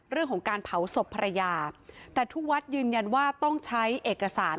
เรื่องของการเผาศพภรรยาแต่ทุกวัดยืนยันว่าต้องใช้เอกสาร